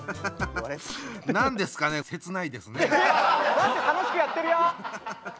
何で楽しくやってるよ！